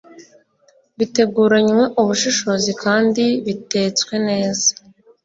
biteguranywe ubushishozi kandi bitetswe neza